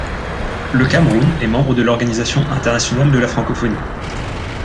Le Cameroun est membre de l'Organisation internationale de la francophonie.